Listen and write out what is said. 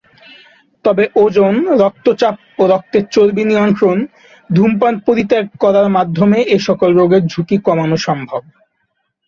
তবে ওজন, রক্তচাপ ও রক্তের চর্বি নিয়ন্ত্রণ, ধূমপান পরিত্যাগ করার মাধ্যমে এ সকল রোগের ঝুঁকি কমানো সম্ভব।